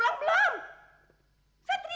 udah pulang sekarang